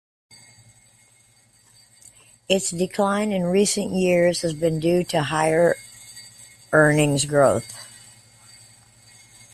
Its decline in recent years has been due to higher earnings growth.